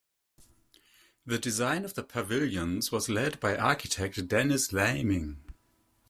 The design of the pavilions was led by architect Denis Laming.